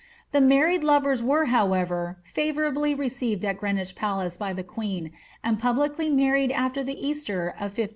The married lovers were, however, fiivonrablr received at Greenwich Palace by the queen, and publicly married after the Easter of 1515.